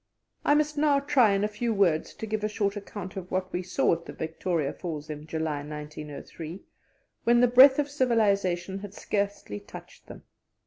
I must now try in a few words to give a short account of what we saw at the Victoria Falls in July, 1903, when the breath of civilization had scarcely touched them.